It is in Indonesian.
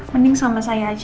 mending sama saya aja